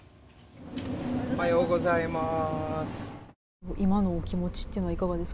おはようございます。